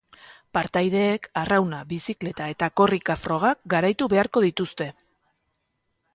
Partaideek arrauna, bizikleta eta korrika frogak garaitu beharko dituzte!